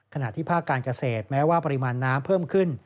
ขณะที่ภาคการเกษตรแม้ว่าปริมาณน้ำเพิ่มขึ้น